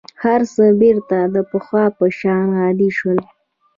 هر څه بېرته د پخوا په شان عادي شول.